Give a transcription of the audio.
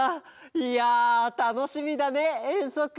いやたのしみだねえんそく！